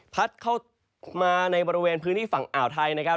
พัดเข้ามาในบริเวณพื้นที่ฝั่งอ่าวไทยนะครับ